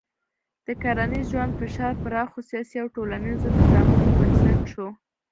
د کرنیز ژوند فشار پراخو سیاسي او ټولنیزو نظامونو بنسټ شو.